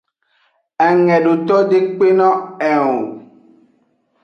Engedoto de kpenno eng o.